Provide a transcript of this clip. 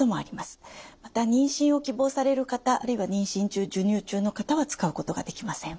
また妊娠を希望される方あるいは妊娠中授乳中の方は使うことができません。